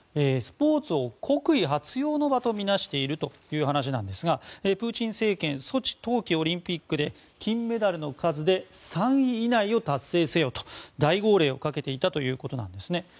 スポーツを国威発揚の場とみなしているという話なんですがプーチン政権ソチ冬季オリンピックで金メダルの数で３位以内を達成せよと大号令をかけていたということなんですね。